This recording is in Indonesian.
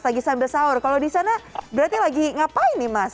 lagi sambil sahur kalau di sana berarti lagi ngapain nih mas